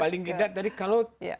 paling gede tadi kalau kita bagi dua aja